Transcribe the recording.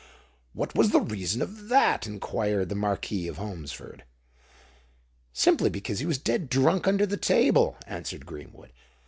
"What was the reason of that?" inquired the Marquis of Holmesford. "Simply because he was dead drunk under the table," answered Greenwood.